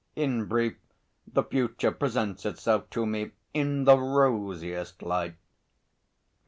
In brief, the future presents itself to me in the rosiest light."